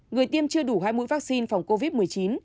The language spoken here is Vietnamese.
người tiêm chưa đủ hai mũi vaccine phòng covid một mươi chín